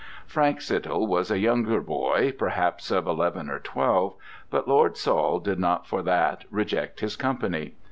Frank Sydall was a younger boy, perhaps of eleven or twelve, but Lord Saul did not for that reject his company.